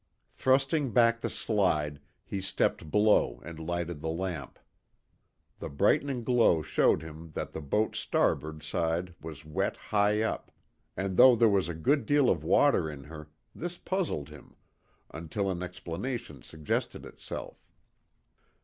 Thrusting back the slide, he stepped below and lighted the lamp. The brightening glow showed him that the boat's starboard side was wet high up, and, though there was a good deal of water in her, this puzzled him, until an explanation suggested itself.